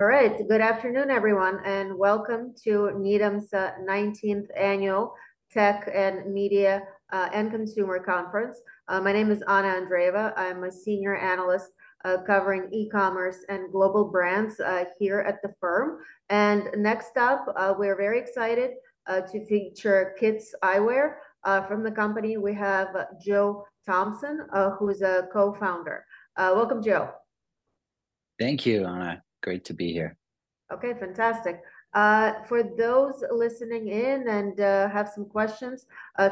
All right. Good afternoon, everyone, and welcome to Needham's 19th annual Tech and Media and Consumer conference. My name is Anna Andreeva. I'm a senior analyst covering e-commerce and global brands here at the firm. Next up, we're very excited to feature KITS Eyecare. From the company, we have Joe Thompson, who is a co-founder. Welcome, Joe. Thank you, Anna. Great to be here. Okay, fantastic. For those listening in and have some questions,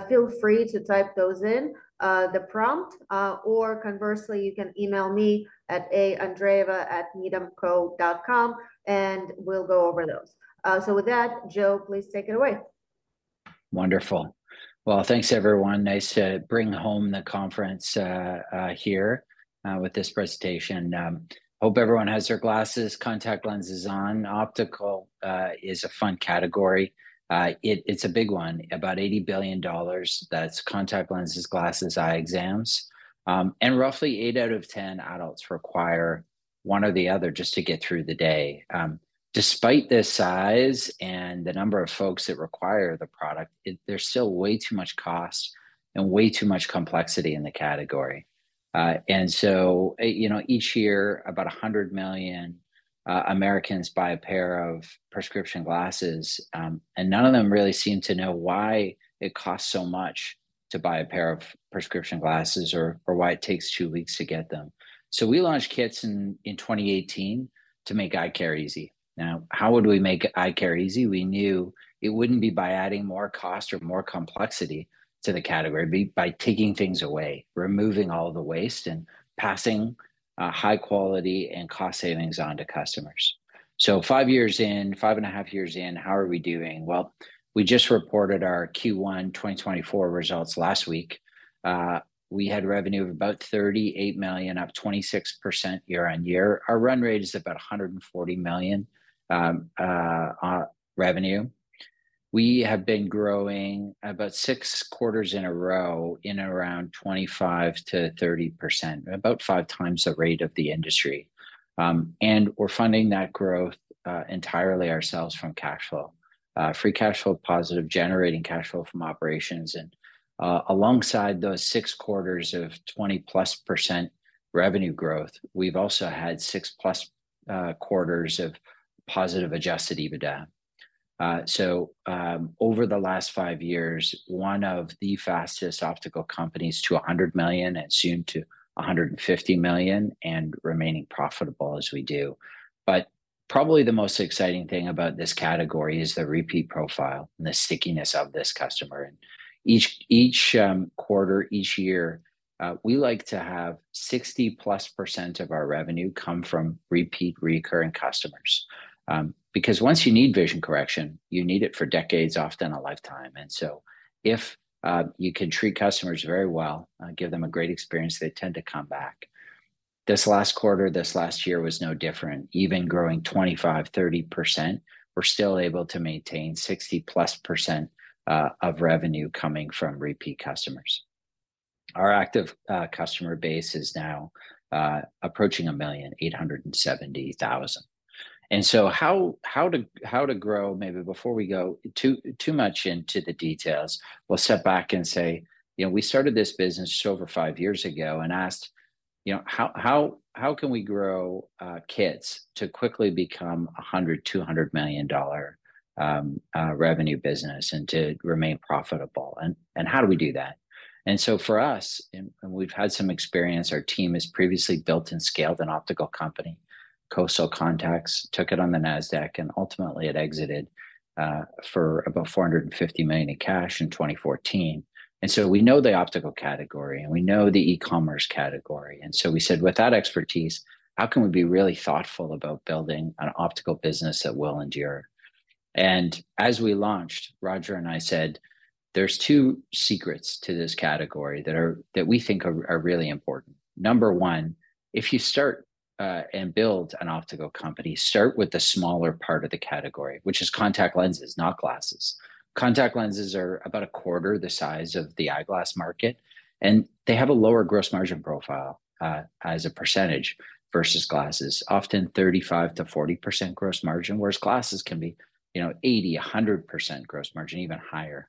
feel free to type those in the prompt, or conversely, you can email me at aandreeva@needhamco.com, and we'll go over those. So with that, Joe, please take it away. Wonderful. Well, thanks, everyone. Nice to bring home the conference here with this presentation. Hope everyone has their glasses, contact lenses on. Optical is a fun category. It's a big one, about $80 billion. That's contact lenses, glasses, eye exams. And roughly eight out of 10 adults require one or the other just to get through the day. Despite this size and the number of folks that require the product, there's still way too much cost and way too much complexity in the category. And so, you know, each year, about 100 million Americans buy a pair of prescription glasses, and none of them really seem to know why it costs so much to buy a pair of prescription glasses or why it takes two weeks to get them. So we launched KITS in 2018 to make eye care easy. Now, how would we make eye care easy? We knew it wouldn't be by adding more cost or more complexity to the category. It'd be by taking things away, removing all the waste, and passing high quality and cost savings on to customers. So five years in, five and a half years in, how are we doing? Well, we just reported our Q1 2024 results last week. We had revenue of about $38 million, up 26% year-on-year. Our run rate is about $140 million on revenue. We have been growing about six quarters in a row in around 25%-30%, about five times the rate of the industry. And we're funding that growth entirely ourselves from cash flow. Free cash flow, positive, generating cash flow from operations, and alongside those six quarters of 20%+ revenue growth, we've also had six-plus quarters of positive adjusted EBITDA. So, over the last five years, one of the fastest optical companies to $100 million and soon to $150 million and remaining profitable as we do. But probably the most exciting thing about this category is the repeat profile and the stickiness of this customer, and each, each quarter, each year, we like to have 60%+ of our revenue come from repeat, recurring customers. Because once you need vision correction, you need it for decades, often a lifetime. And so if you can treat customers very well, give them a great experience, they tend to come back. This last quarter, this last year was no different. Even growing 25%-30%, we're still able to maintain 60%+ of revenue coming from repeat customers. Our active customer base is now approaching 870,000. And so how to grow, maybe before we go too much into the details, we'll step back and say: You know, we started this business just over five years ago and asked, "You know, how can we grow KITS to quickly become a $100-$200 million revenue business and to remain profitable? And how do we do that?" And so for us, we've had some experience, our team has previously built and scaled an optical company. Coastal Contacts took it on the Nasdaq, and ultimately it exited for about $450 million in cash in 2014. And so we know the optical category, and we know the e-commerce category, and so we said, "With that expertise, how can we be really thoughtful about building an optical business that will endure?" And as we launched, Roger and I said, "There's two secrets to this category that we think are really important. Number one, if you start and build an optical company, start with the smaller part of the category, which is contact lenses, not glasses." Contact lenses are about a quarter the size of the eyeglass market, and they have a lower gross margin profile, as a percentage, vs glasses, often 35%-40% gross margin, whereas glasses can be, you know, 80%, 100% gross margin, even higher.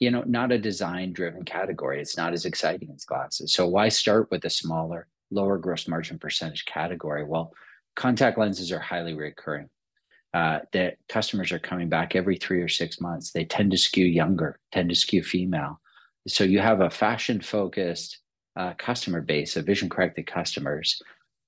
You know, not a design-driven category, it's not as exciting as glasses. So why start with a smaller, lower gross margin percentage category? Well, contact lenses are highly recurring, that customers are coming back every three or six months. They tend to skew younger, tend to skew female. So you have a fashion-focused, customer base, so vision-corrected customers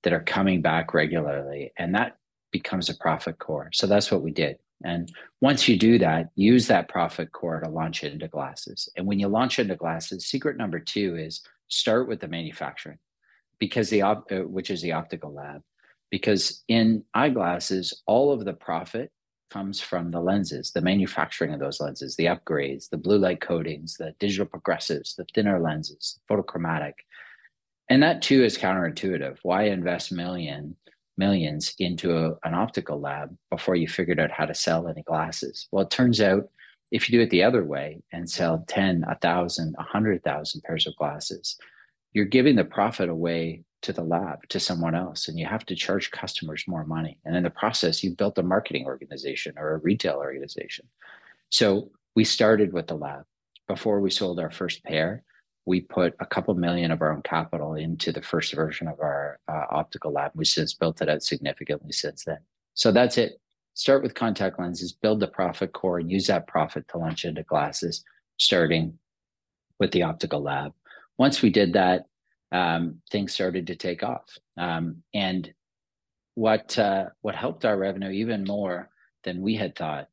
that are coming back regularly, and that becomes a profit core. So that's what we did. And once you do that, use that profit core to launch into glasses. And when you launch into glasses, secret number two is start with the manufacturing, because the optical lab. Because in eyeglasses, all of the profit comes from the lenses, the manufacturing of those lenses, the upgrades, the blue light coatings, the digital progressives, the thinner lenses, photochromic. And that, too, is counterintuitive. Why invest million, millions into an optical lab before you've figured out how to sell any glasses? Well, it turns out, if you do it the other way and sell 10, 1,000, 100,000 pairs of glasses, you're giving the profit away to the lab, to someone else, and you have to charge customers more money. And in the process, you've built a marketing organization or a retail organization. So we started with the lab. Before we sold our first pair, we put a couple million of our own capital into the first version of our optical lab, we since built it out significantly since then. So that's it. Start with contact lenses, build the profit core, and use that profit to launch into glasses, starting with the optical lab. Once we did that, things started to take off. And what helped our revenue even more than we had thought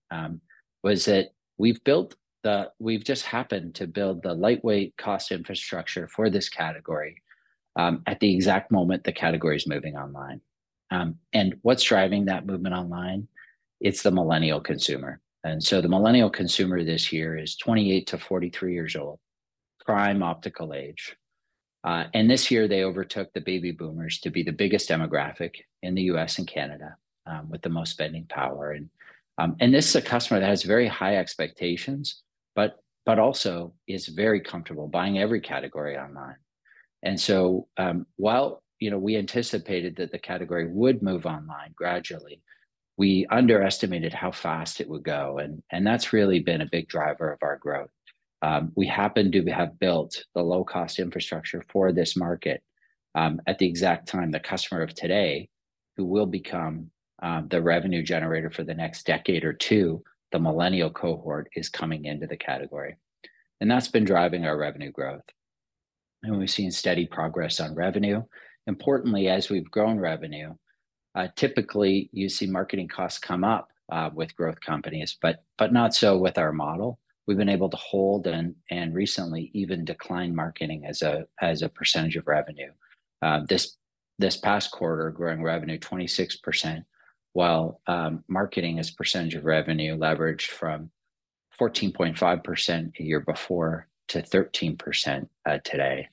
was that we've just happened to build the lightweight cost infrastructure for this category at the exact moment the category is moving online. And what's driving that movement online? It's the millennial consumer. And so the millennial consumer this year is 28-43 years old, prime optical age. And this year they overtook the baby boomers to be the biggest demographic in the U.S. and Canada with the most spending power. And this is a customer that has very high expectations, but also is very comfortable buying every category online. And so, while, you know, we anticipated that the category would move online gradually, we underestimated how fast it would go, and that's really been a big driver of our growth. We happen to have built the low-cost infrastructure for this market, at the exact time the customer of today, who will become the revenue generator for the next decade or two, the millennial cohort, is coming into the category. And that's been driving our revenue growth, and we've seen steady progress on revenue. Importantly, as we've grown revenue, typically you see marketing costs come up with growth companies, but not so with our model. We've been able to hold and recently even decline marketing as a percentage of revenue. This past quarter, growing revenue 26%, while marketing as a percentage of revenue leveraged from 14.5% a year before to 13% today.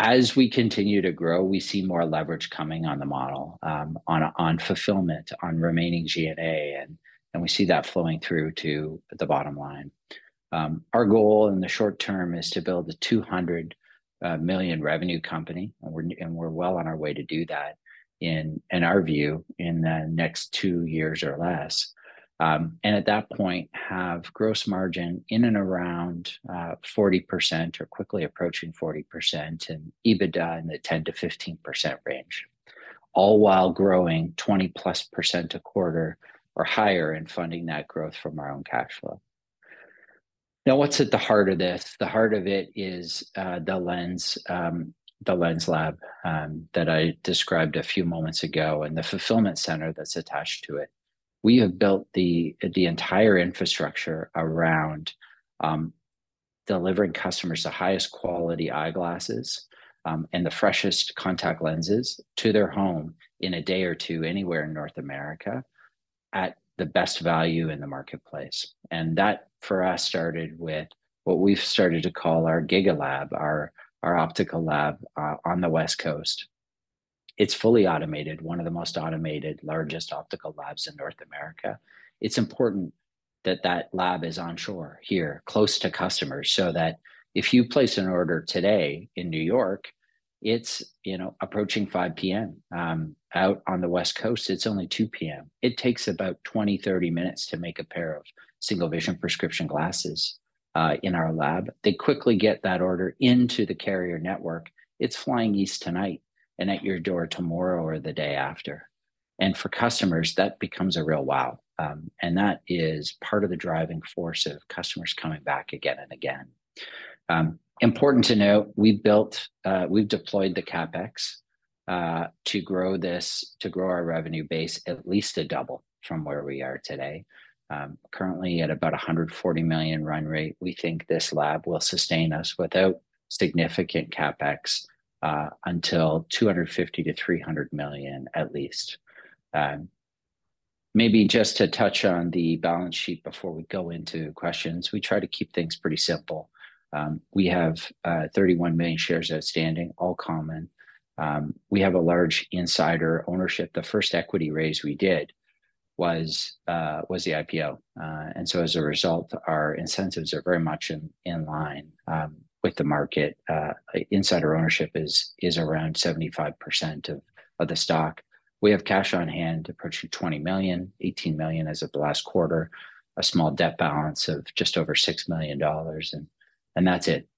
As we continue to grow, we see more leverage coming on the model, on, on fulfillment, on remaining G&A, and, and we see that flowing through to the bottom line. Our goal in the short term is to build a 200 million revenue company, and we're, and we're well on our way to do that in, in our view, in the next two years or less. At that point, have gross margin in and around 40% or quickly approaching 40%, and EBITDA in the 10%-15% range, all while growing 20%+ a quarter or higher and funding that growth from our own cash flow. Now, what's at the heart of this? The heart of it is, the lens, the lens lab, that I described a few moments ago, and the fulfillment center that's attached to it. We have built the, the entire infrastructure around, delivering customers the highest quality eyeglasses, and the freshest contact lenses to their home in a day or two, anywhere in North America, at the best value in the marketplace. And that, for us, started with what we've started to call our Giga Lab, our, our optical lab, on the West Coast. It's fully automated, one of the most automated, largest optical labs in North America. It's important that that lab is onshore here, close to customers, so that if you place an order today in New York, it's, you know, approaching 5:00 P.M. Out on the West Coast, it's only 2:00 P.M. It takes about 20-30 minutes to make a pair of single vision prescription glasses in our lab. They quickly get that order into the carrier network. It's flying east tonight and at your door tomorrow or the day after, and for customers, that becomes a real wow. And that is part of the driving force of customers coming back again and again. Important to note, we've deployed the CapEx to grow this, to grow our revenue base at least to double from where we are today. Currently at about 140 million run rate, we think this lab will sustain us without significant CapEx until 250 million-300 million at least. Maybe just to touch on the balance sheet before we go into questions. We try to keep things pretty simple. We have 31 million shares outstanding, all common. We have a large insider ownership. The first equity raise we did was the IPO. And so as a result, our incentives are very much in line with the market. Insider ownership is around 75% of the stock. We have cash on hand approaching $20 million, $18 million as of last quarter, a small debt balance of just over $6 million, and that's it.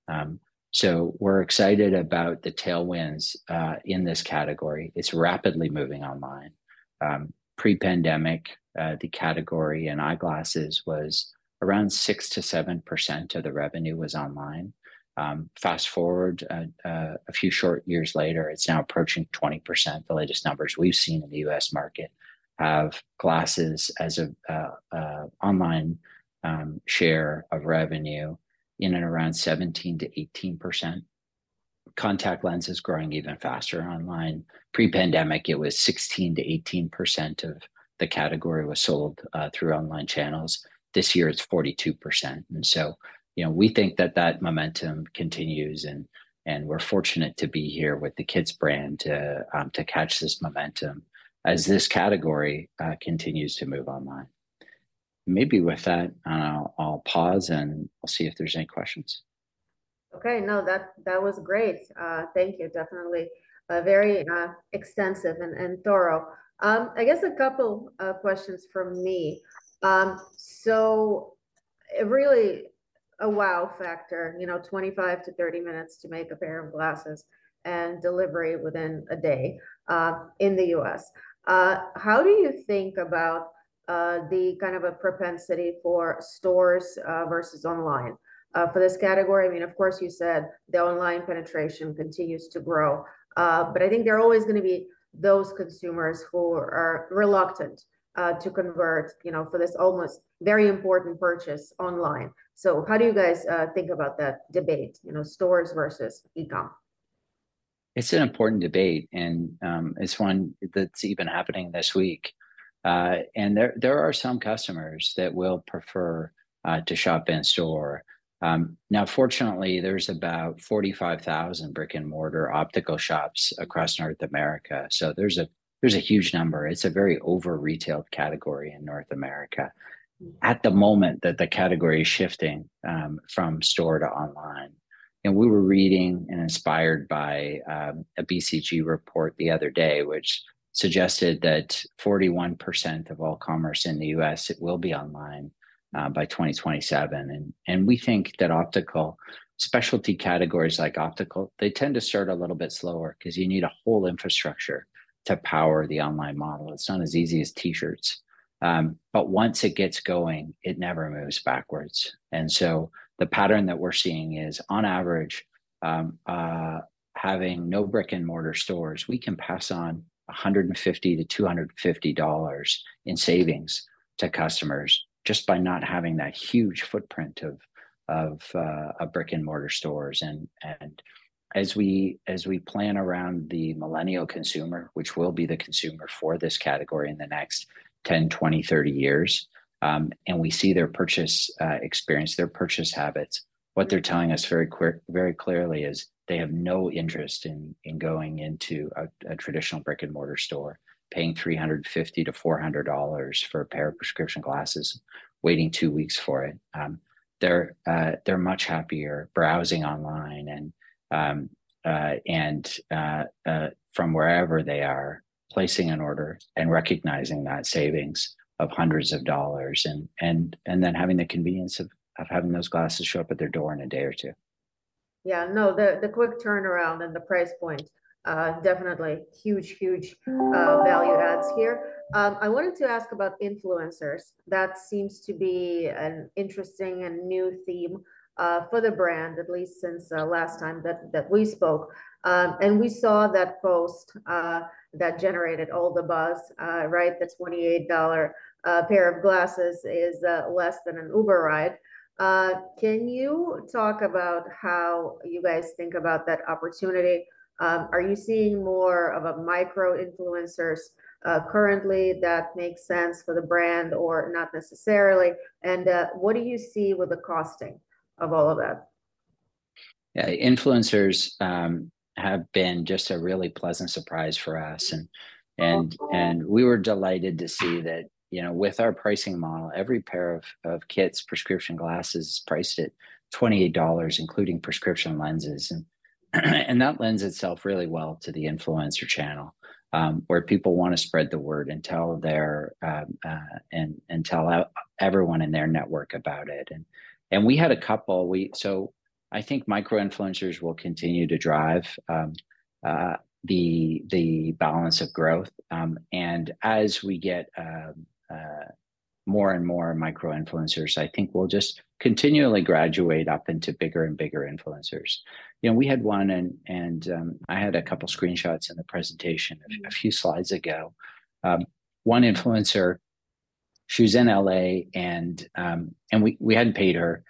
So we're excited about the tailwinds in this category. It's rapidly moving online. Pre-pandemic, the category in eyeglasses was around 6%-7% of the revenue was online. Fast-forward a few short years later, it's now approaching 20%. The latest numbers we've seen in the U.S. market have glasses as a online share of revenue in and around 17%-18%. Contact lenses growing even faster online. Pre-pandemic, it was 16%-18% of the category was sold through online channels. This year, it's 42%, and so, you know, we think that that momentum continues, and we're fortunate to be here with the KITS brand to catch this momentum as this category continues to move online. Maybe with that, I'll pause, and I'll see if there's any questions. Okay. No, that was great. Thank you. Definitely, very extensive and thorough. I guess a couple questions from me. So really a wow factor, you know, 25-30 minutes to make a pair of glasses and delivery within a day, in the U.S. How do you think about the kind of a propensity for stores vs online for this category? I mean, of course, you said the online penetration continues to grow, but I think there are always gonna be those consumers who are reluctant to convert, you know, for this almost very important purchase online. So how do you guys think about that debate? You know, stores vs e-com. It's an important debate, and it's one that's even happening this week. There are some customers that will prefer to shop in-store. Now, fortunately, there's about 45,000 brick-and-mortar optical shops across North America, so there's a huge number. It's a very over-retailed category in North America. At the moment, the category is shifting from store to online, and we were reading and inspired by a BCG report the other day, which suggested that 41% of all commerce in the U.S. it will be online by 2027. We think that optical, specialty categories like optical, they tend to start a little bit slower 'cause you need a whole infrastructure to power the online model. It's not as easy as T-shirts, but once it gets going, it never moves backwards. So the pattern that we're seeing is, on average, having no brick-and-mortar stores, we can pass on $150-$250 in savings to customers just by not having that huge footprint of brick-and-mortar stores. And as we plan around the millennial consumer, which will be the consumer for this category in the next 10, 20, 30 years, and we see their purchase experience, their purchase habits, what they're telling us very clearly is they have no interest in going into a traditional brick-and-mortar store, paying $350-$400 for a pair of prescription glasses, waiting two weeks for it. They're much happier browsing online and from wherever they are, placing an order and recognizing that savings of hundreds of dollars and then having the convenience of having those glasses show up at their door in a day or two. Yeah, no, the quick turnaround and the price point definitely huge, huge value adds here. I wanted to ask about influencers. That seems to be an interesting and new theme for the brand, at least since last time that we spoke. And we saw that post that generated all the buzz, right? The $28 pair of glasses is less than an Uber ride. Can you talk about how you guys think about that opportunity? Are you seeing more of a micro-influencers currently that makes sense for the brand or not necessarily, and what do you see with the costing of all of that? Yeah, influencers have been just a really pleasant surprise for us, and. And we were delighted to see that, you know, with our pricing model, every pair of KITS prescription glasses is priced at $28, including prescription lenses. And that lends itself really well to the influencer channel, where people wanna spread the word and tell everyone in their network about it. And we had a couple. So I think micro-influencers will continue to drive the balance of growth, and as we get more and more micro-influencers, I think we'll just continually graduate up into bigger and bigger influencers. You know, we had one, and I had a couple screenshots in the presentation a few slides ago. One influencer, she was in L.A., and we hadn't paid her.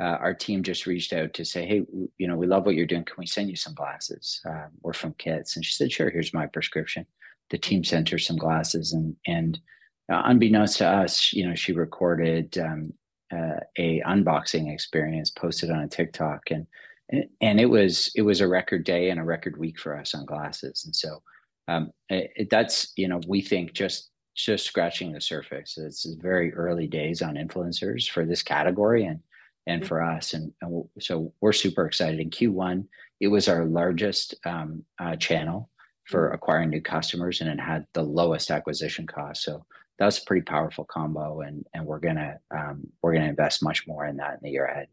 Our team just reached out to say, "Hey, you know, we love what you're doing. Can we send you some glasses? We're from KITS." And she said, "Sure, here's my prescription." The team sent her some glasses, and unbeknownst to us, you know, she recorded a unboxing experience, posted it on a TikTok, and it was a record day and a record week for us on glasses. And so, it, that's, you know, we think just scratching the surface. It's very early days on influencers for this category and for us, and so we're super excited. In Q1, it was our largest channel for acquiring new customers, and it had the lowest acquisition cost, so that's a pretty powerful combo, and we're gonna invest much more in that in the year ahead.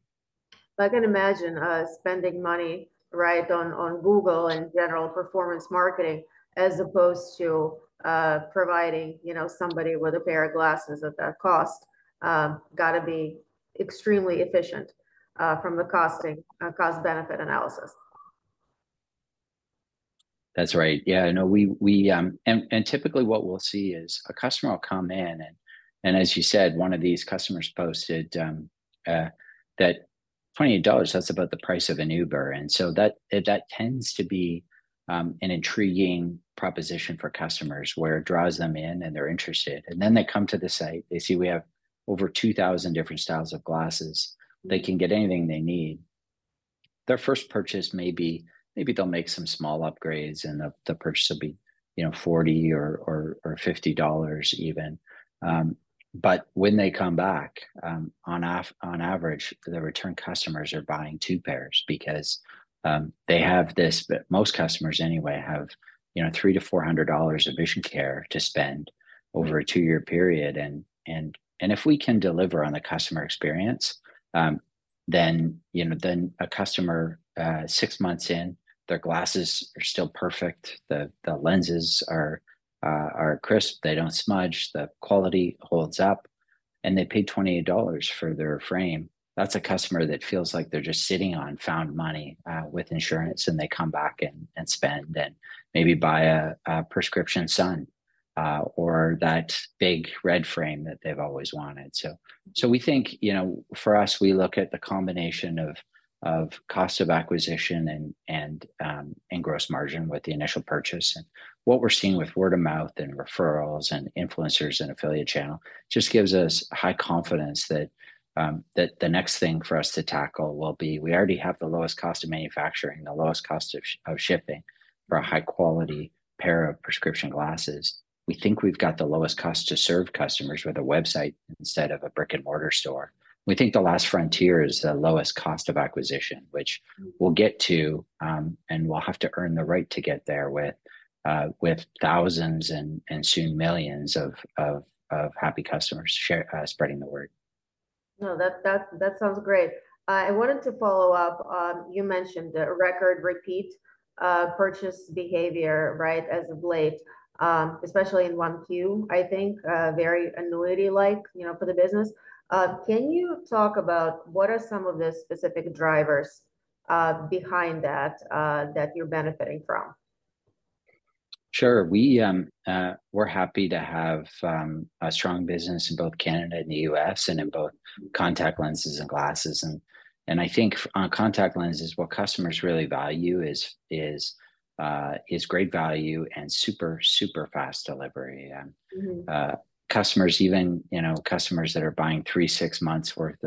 I can imagine, spending money, right, on, on Google and general performance marketing, as opposed to, providing, you know, somebody with a pair of glasses at that cost, gotta be extremely efficient, from the costing, cost-benefit analysis. That's right. Yeah, no, we and typically what we'll see is a customer will come in, and as you said, one of these customers posted that $28, that's about the price of an Uber. And so that tends to be an intriguing proposition for customers, where it draws them in, and they're interested. And then they come to the site, they see we have over 2,000 different styles of glasses. They can get anything they need. Their first purchase may be maybe they'll make some small upgrades, and the purchase will be, you know, $40 or $50 even. But when they come back, on average, the return customers are buying two pairs because they have this, but most customers anyway have, you know, $300-$400 of vision care to spend over a two-year period. And if we can deliver on the customer experience, then, you know, then a customer six months in, their glasses are still perfect, the lenses are crisp, they don't smudge, the quality holds up, and they paid $28 for their frame. That's a customer that feels like they're just sitting on found money with insurance, and they come back and spend, and maybe buy a prescription sunglasses or that big red frame that they've always wanted. So we think, you know, for us, we look at the combination of cost of acquisition and gross margin with the initial purchase. And what we're seeing with word-of-mouth, and referrals, and influencers, and affiliate channel, just gives us high confidence that the next thing for us to tackle will be, we already have the lowest cost of manufacturing, the lowest cost of shipping for a high-quality pair of prescription glasses. We think we've got the lowest cost to serve customers with a website instead of a brick-and-mortar store. We think the last frontier is the lowest cost of acquisition, which we'll get to, and we'll have to earn the right to get there with thousands, and soon millions of happy customers spreading the word. No, that sounds great. I wanted to follow up. You mentioned a record repeat purchase behavior, right, as of late, especially in 1Q, I think, very annuity-like, you know, for the business. Can you talk about what are some of the specific drivers behind that that you're benefiting from? Sure. We're happy to have a strong business in both Canada and the U.S., and in both contact lenses and glasses. I think on contact lenses, what customers really value is great value and super, super fast delivery. Mm-hmm. Customers even, you know, customers that are buying three, six months worth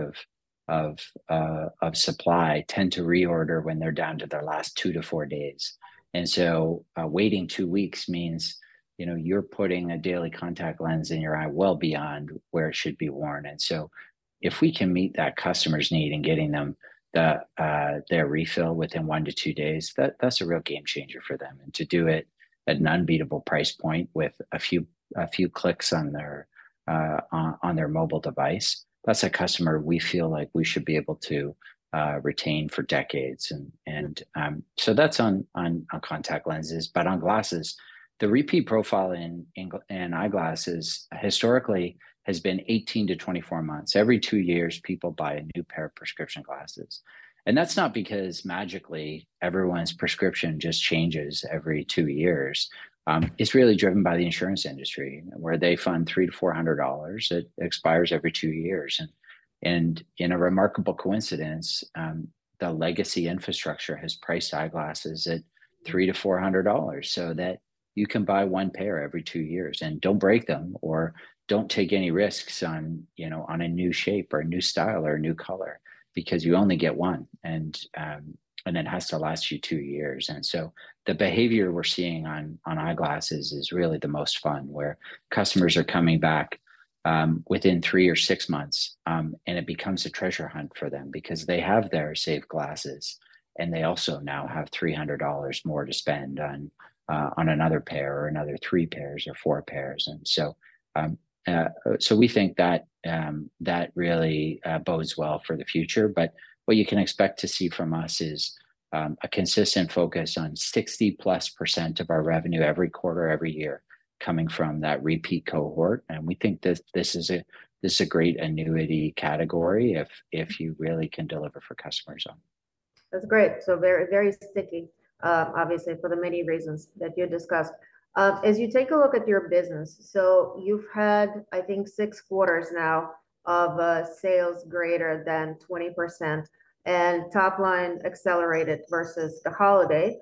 of supply, tend to reorder when they're down to their last two-four days. So waiting two weeks means, you know, you're putting a daily contact lens in your eye well beyond where it should be worn. So if we can meet that customer's need in getting them their refill within one-two days, that's a real game changer for them. To do it at an unbeatable price point with a few clicks on their mobile device, that's a customer we feel like we should be able to retain for decades. So that's on contact lenses. But on glasses, the repeat profile in eyeglasses, historically, has been 18-24 months. Every two years, people buy a new pair of prescription glasses. That's not because magically, everyone's prescription just changes every two years. It's really driven by the insurance industry, where they fund $300-$400 that expires every two years. And in a remarkable coincidence, the legacy infrastructure has priced eyeglasses at $300-$400, so that you can buy one pair every two years, and don't break them, or don't take any risks on, you know, on a new shape, or a new style, or a new color because you only get one, and it has to last you two years. So the behavior we're seeing on eyeglasses is really the most fun, where customers are coming back within three or six months, and it becomes a treasure hunt for them. Because they have their saved glasses, and they also now have $300 more to spend on, on another pair, or another three pairs, or four pairs. And so, so we think that, that really, bodes well for the future. But what you can expect to see from us is, a consistent focus on 60%+ of our revenue every quarter, every year, coming from that repeat cohort. And we think this, this is a, this is a great annuity category if, if you really can deliver for customers on. That's great. So very, very sticky, obviously, for the many reasons that you discussed. As you take a look at your business, so you've had, I think, six quarters now of sales greater than 20%, and top line accelerated vs the holiday,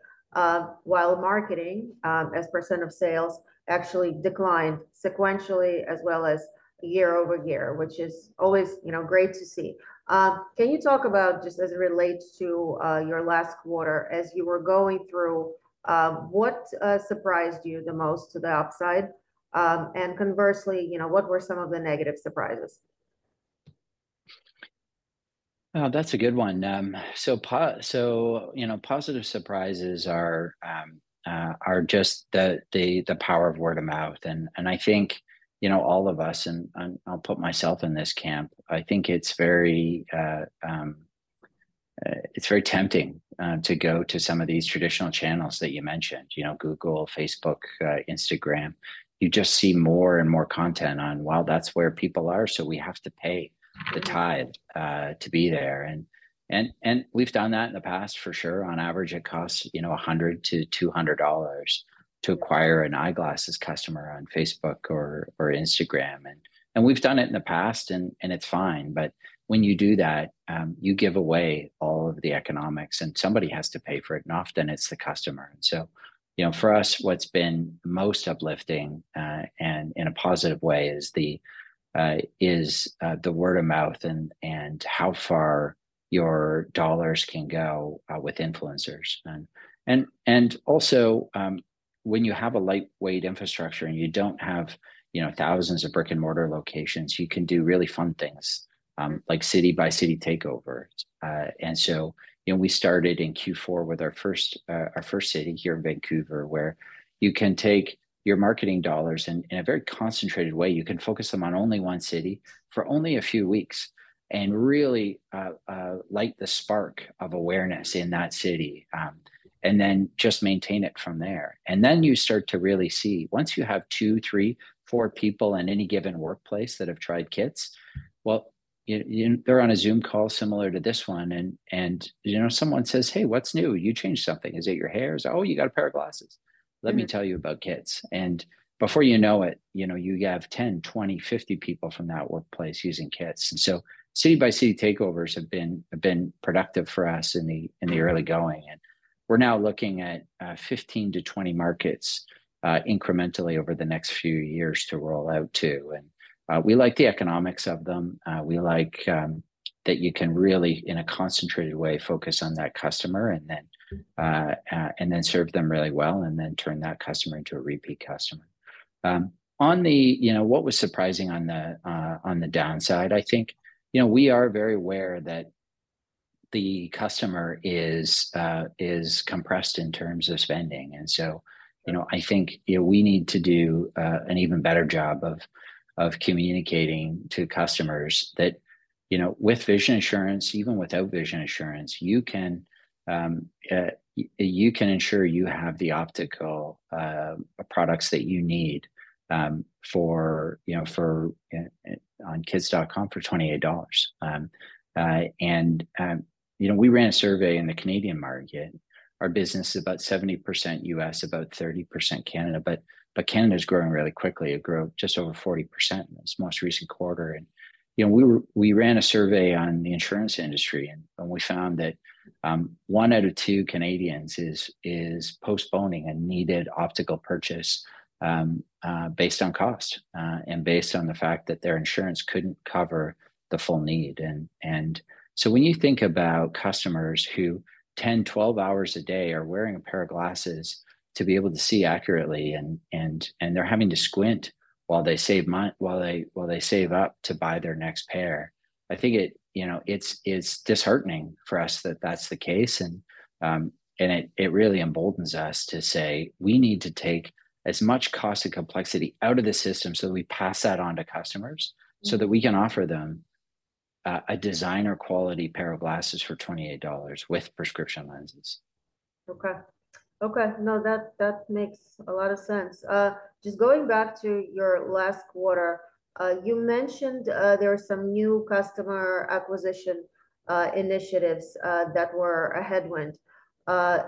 while marketing as percentages of sales, actually declined sequentially as well as year-over-year, which is always, you know, great to see. Can you talk about, just as it relates to your last quarter, as you were going through, what surprised you the most to the upside? And conversely, you know, what were some of the negative surprises? That's a good one. So, you know, positive surprises are just the power of word-of-mouth. And I think, you know, all of us, and I'll put myself in this camp, I think it's very tempting to go to some of these traditional channels that you mentioned, you know, Google, Facebook, Instagram. You just see more and more content on, "Well, that's where people are, so we have to pay the tide to be there." And we've done that in the past, for sure. On average, it costs, you know, $100-$200 to acquire an eyeglasses customer on Facebook or Instagram, and we've done it in the past and it's fine. But when you do that, you give away all of the economics, and somebody has to pay for it, and often it's the customer. So, you know, for us, what's been most uplifting, and in a positive way is the word of mouth and how far your dollars can go with influencers. And also, when you have a lightweight infrastructure and you don't have, you know, thousands of brick-and-mortar locations, you can do really fun things like city-by-city takeovers. And so, you know, we started in Q4 with our first, our first city here in Vancouver, where you can take your marketing dollars in, in a very concentrated way, you can focus them on only one city for only a few weeks, and really, light the spark of awareness in that city, and then just maintain it from there. And then you start to really see, once you have two, three, four people in any given workplace that have tried KITS, well, you, you. They're on a Zoom call similar to this one, and, and, you know, someone says, "Hey, what's new? You changed something. Is it your hair?" You say, "Oh, you got a pair of glasses. Let me tell you about KITS. And before you know it, you know, you have 10, 20, 50 people from that workplace using KITS. And so city-by-city takeovers have been productive for us in. In the early going, and we're now looking at 15-20 markets incrementally over the next few years to roll out to. And, we like the economics of them. We like that you can really, in a concentrated way, focus on that customer and then and then serve them really well, and then turn that customer into a repeat customer. On the. You know, what was surprising on the downside, I think, you know, we are very aware that the customer is compressed in terms of spending. And so. You know, I think, you know, we need to do an even better job of communicating to customers that, you know, with vision insurance, even without vision insurance, you can ensure you have the optical products that you need, you know, for on kits.com for $28. And, you know, we ran a survey in the Canadian market. Our business is about 70% U.S., about 30% Canada, but Canada's growing really quickly. It grew just over 40% in this most recent quarter. And, you know, we ran a survey on the insurance industry, and we found that one out of two Canadians is postponing a needed optical purchase, based on cost, and based on the fact that their insurance couldn't cover the full need. So when you think about customers who 10, 12 hours a day are wearing a pair of glasses to be able to see accurately, and they're having to squint while they save up to buy their next pair, I think, you know, it's disheartening for us that that's the case. It really emboldens us to say, "We need to take as much cost and complexity out of the system so that we pass that on to customers, so that we can offer them a designer quality pair of glasses for $28 with prescription lenses. Okay. Okay, no, that, that makes a lot of sense. Just going back to your last quarter, you mentioned there were some new customer acquisition initiatives that were a headwind,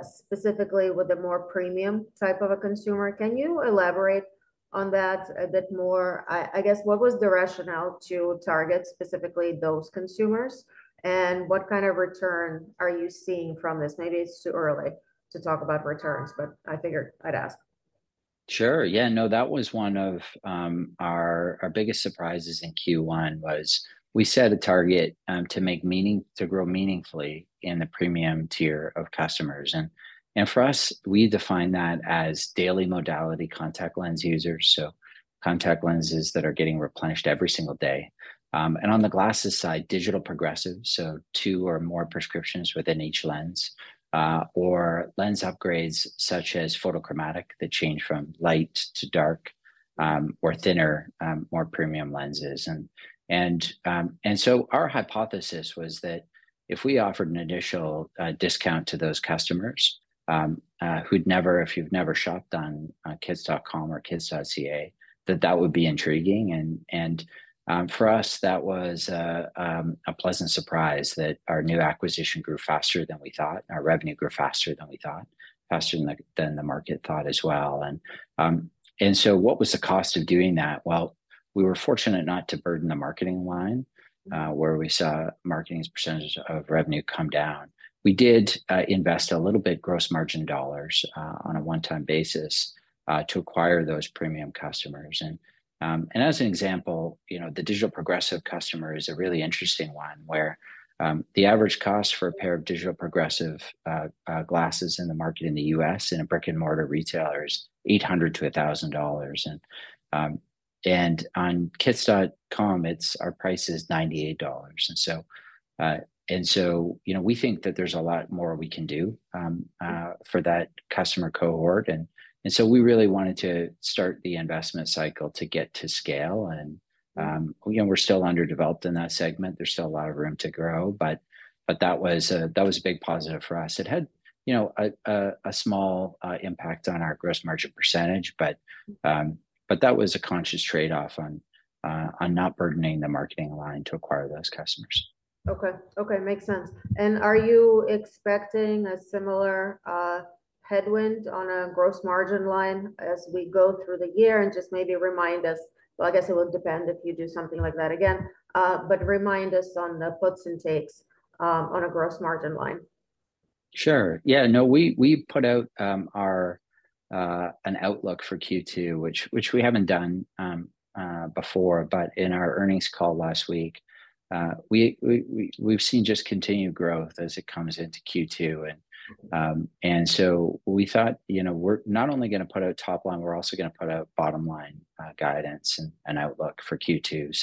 specifically with a more premium type of a consumer. Can you elaborate on that a bit more? I guess, what was the rationale to target specifically those consumers, and what kind of return are you seeing from this? Maybe it's too early to talk about returns, but I figured I'd ask. Sure, yeah. No, that was one of our biggest surprises in Q1, was we set a target to grow meaningfully in the premium tier of customers. And for us, we define that as daily modality contact lens users, so contact lenses that are getting replenished every single day. And on the glasses side, digital progressive, so two or more prescriptions within each lens, or lens upgrades, such as photochromic, that change from light to dark, or thinner, more premium lenses. And so our hypothesis was that if we offered an initial discount to those customers who'd never shopped on kits.com or Kits.ca, that that would be intriguing. For us, that was a pleasant surprise, that our new acquisition grew faster than we thought, and our revenue grew faster than we thought, faster than the market thought as well. So what was the cost of doing that? Well, we were fortunate not to burden the marketing line. Where we saw marketing's percentage of revenue come down. We did invest a little bit gross margin dollars on a one-time basis to acquire those premium customers. And as an example, you know, the digital progressive customer is a really interesting one, where the average cost for a pair of digital progressive glasses in the market in the U.S., in a brick-and-mortar retailer is $800-$1,000. And on kits.com, it's our price is $98. And so, and so, you know, we think that there's a lot more we can do for that customer cohort. And, and so we really wanted to start the investment cycle to get to scale, and you know, we're still underdeveloped in that segment. There's still a lot of room to grow, but that was a big positive for us. It had, you know, a small impact on our gross margin percentage, but that was a conscious trade-off on not burdening the marketing line to acquire those customers. Okay. Okay, makes sense. And are you expecting a similar headwind on a gross margin line as we go through the year? And just maybe remind us. Well, I guess it will depend if you do something like that again, but remind us on the puts and takes on a gross margin line. Sure. Yeah, no, we put out our outlook for Q2, which we haven't done before. But in our earnings call last week, we've seen just continued growth as it comes into Q2. And so we thought, you know, we're not only gonna put out top line, we're also gonna put out bottom line guidance and outlook for Q2.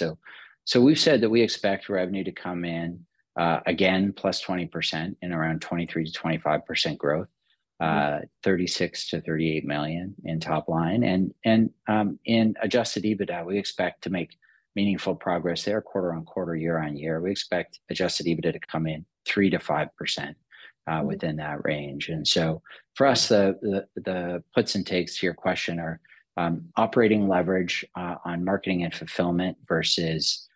So we've said that we expect revenue to come in again +20% and around 23%-25% growth, 36-38 million in top line. And in adjusted EBITDA, we expect to make meaningful progress there quarter-on-quarter, year-on-year. We expect adjusted EBITDA to come in 3%-5% within that range. For us, the puts and takes to your question are operating leverage on marketing and fulfillment vs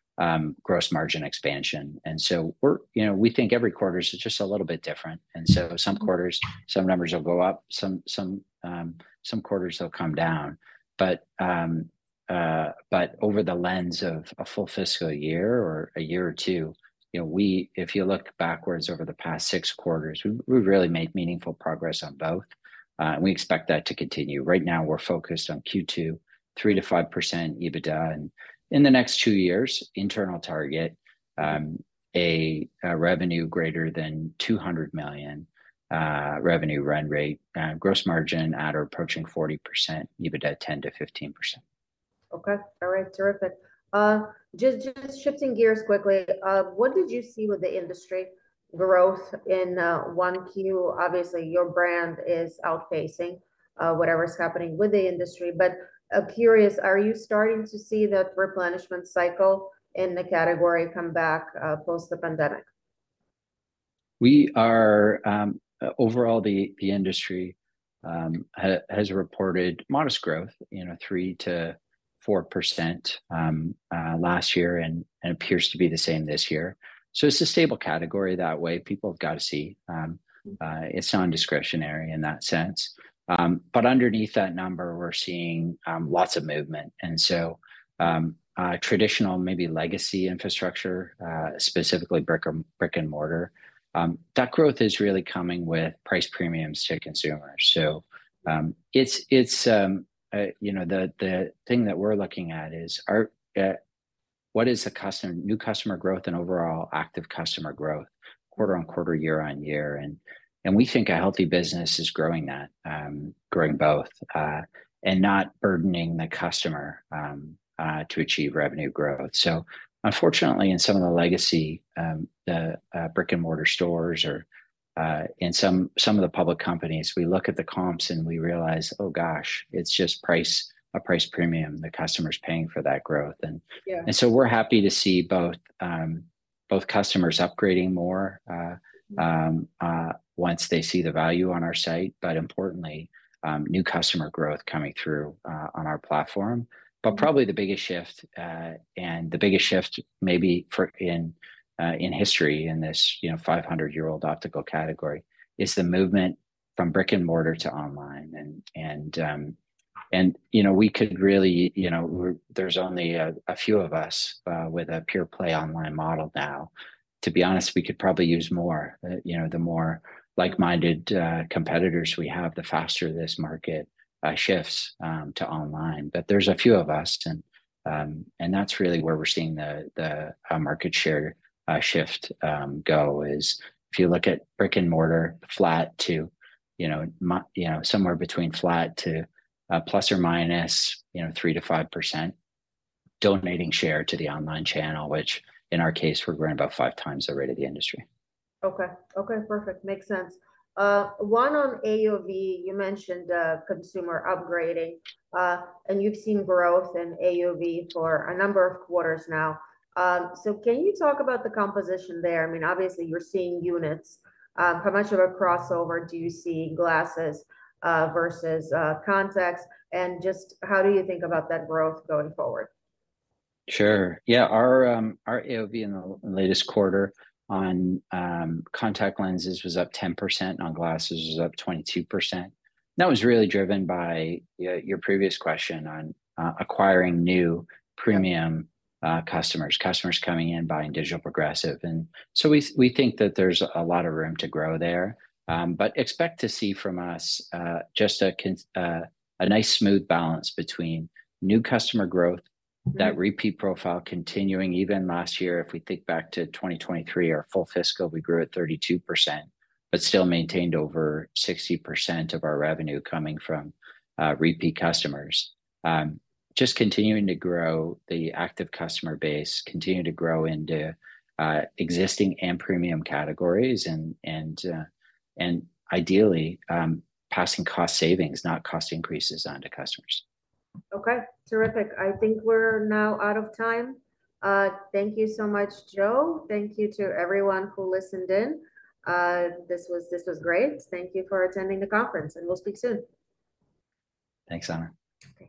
gross margin expansion. You know, we think every quarter is just a little bit different. Some quarters, some numbers will go up, some quarters they'll come down. But over the lens of a full fiscal year or a year or two, you know, if you look backwards over the past six quarters, we've really made meaningful progress on both, and we expect that to continue. Right now, we're focused on Q2, 3%-5% EBITDA, and in the next two years, internal target, revenue greater than 200 million revenue run rate, gross margin at or approaching 40%, EBITDA 10%-15%. Okay. All right. Terrific. Just shifting gears quickly, what did you see with the industry growth in 1Q? Obviously, your brand is outpacing whatever is happening with the industry, but curious, are you starting to see that replenishment cycle in the category come back post the pandemic? Overall, the industry has reported modest growth, you know, 3%-4%, last year, and appears to be the same this year. So it's a stable category that way. People have got to see, it's nondiscretionary in that sense. But underneath that number, we're seeing lots of movement. And so, traditional, maybe legacy infrastructure, specifically brick or brick-and-mortar, that growth is really coming with price premiums to consumers. So, it's the thing that we're looking at is our, what is the customer-new customer growth and overall active customer growth quarter-over-quarter, year-over-year? And we think a healthy business is growing that, growing both, and not burdening the customer to achieve revenue growth. So unfortunately, in some of the legacy brick-and-mortar stores or in some of the public companies, we look at the comps and we realize, "Oh, gosh, it's just price, a price premium. The customer's paying for that growth." And. Yeah. And so we're happy to see both customers upgrading more, once they see the value on our site, but importantly, new customer growth coming through on our platform. But probably the biggest shift maybe in history, in this 500 year-old optical category, is the movement from brick-and-mortar to online. And you know, we could really... You know, there's only a few of us with a pure play online model now. To be honest, we could probably use more. You know, the more like-minded competitors we have, the faster this market shifts to online. But there's a few of us, and, and that's really where we're seeing the market share shift go, is if you look at brick-and-mortar flat to, you know, minus, you know, somewhere between flat to plus or minus, you know, 3%-5%, donating share to the online channel, which in our case, we're growing about 5 times the rate of the industry. Okay. Okay, perfect. Makes sense. One on AOV, you mentioned consumer upgrading, and you've seen growth in AOV for a number of quarters now. So can you talk about the composition there? I mean, obviously, you're seeing units. How much of a crossover do you see in glasses vs contacts? And just how do you think about that growth going forward? Sure. Yeah, our, our AOV in the latest quarter on, contact lenses was up 10%, on glasses, it was up 22%. That was really driven by, yeah, your previous question on, acquiring new premium customers, customers coming in, buying digital progressive. And so we, we think that there's a lot of room to grow there. But expect to see from us just a nice, smooth balance between new customer growth. That repeat profile continuing. Even last year, if we think back to 2023, our full fiscal, we grew at 32%, but still maintained over 60% of our revenue coming from repeat customers. Just continuing to grow the active customer base, continuing to grow into existing and premium categories, and ideally passing cost savings, not cost increases, on to customers. Okay, terrific. I think we're now out of time. Thank you so much, Joe. Thank you to everyone who listened in. This was, this was great. Thank you for attending the conference, and we'll speak soon. Thanks, Anna.